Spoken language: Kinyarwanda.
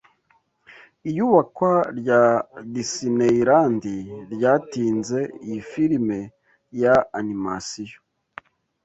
Iyubakwa rya Disineyilandi ryatinze iyi firime ya animasiyo